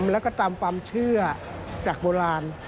แล้วก็ตามความเชื่อจากโบราณ